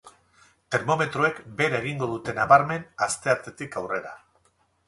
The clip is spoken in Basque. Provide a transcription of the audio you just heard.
Termometroek behera egingo dute nabarmen asteartetik aurrera.